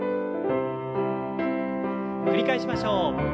繰り返しましょう。